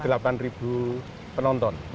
sekarang menjadi delapan penonton